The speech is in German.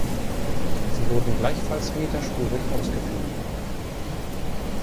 Sie wurden gleichfalls meterspurig ausgeführt.